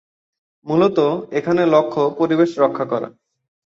মূলত, এখানে লক্ষ্য পরিবেশ রক্ষা করা।